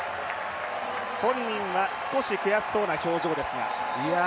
本人は少し悔しそうな表情ですが。